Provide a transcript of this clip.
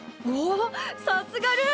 さすがルー！